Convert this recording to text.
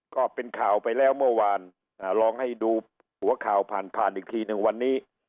ก็เป็นข่าวไปแล้วเมื่อวานลองให้ดูหัวข่าวผ่านผ่านอีกทีหนึ่งวันนี้